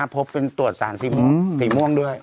พบปรับสารถึงพิม่าที่ม่วงด้วย